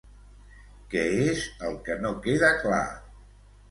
Què és el que no queda clar?